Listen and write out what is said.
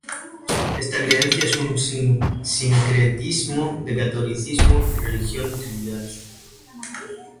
Esta creencia es un sincretismo de Catolicismo y religión tribal.